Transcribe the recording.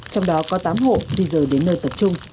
trong đó có tám hộ di rời đến nơi tập trung